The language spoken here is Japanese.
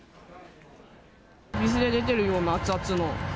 お店で出ているような熱々の。